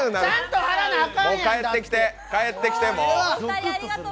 帰ってきて、帰ってきて、もう。